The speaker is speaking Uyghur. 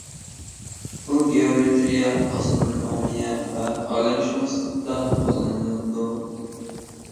بۇ گېئومېتىرىيە ئاسترونومىيە ۋە ئالەمشۇناسلىقتا قوللىنىدۇ.